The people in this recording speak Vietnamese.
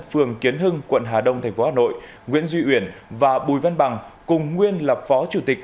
phường kiến hưng quận hà đông tp hà nội nguyễn duy uyển và bùi văn bằng cùng nguyên là phó chủ tịch